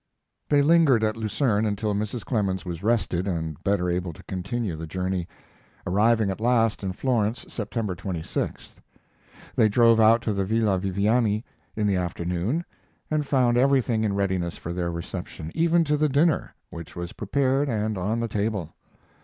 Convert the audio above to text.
They lingered at Lucerne until Mrs. Clemens was rested and better able to continue the journey, arriving at last in Florence, September 26th. They drove out to the Villa Viviani in the afternoon and found everything in readiness for their reception, even to the dinner, which was prepared and on the table.